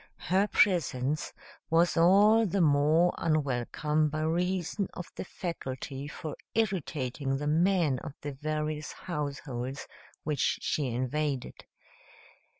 Her presence was all the more unwelcome by reason of the faculty for irritating the men of the various households which she invaded.